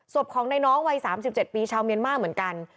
ศพของในน้องวัย๓๗ปีชาวเมียนมาร์เหมือนกัน